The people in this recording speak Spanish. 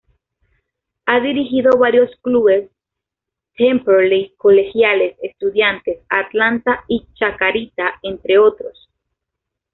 Ha dirigido varios clubes: Temperley, Colegiales, Estudiantes, Atlanta y Chacarita, entre otros.